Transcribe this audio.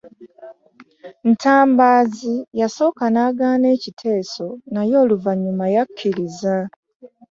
Ntabaazi yasooka n'agaana ekiteeso naye oluvannyuma yakkiriza.